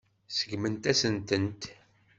Seggment-asent-tent.